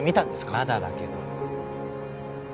まだだけど。